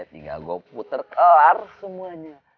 tinggal gue puter kelar semuanya